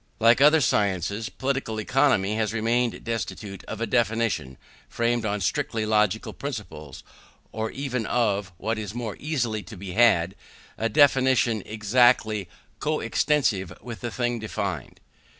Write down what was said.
Like other sciences, Political Economy has remained destitute of a definition framed on strictly logical principles, or even of, what is more easily to be had, a definition exactly co extensive with the thing defined.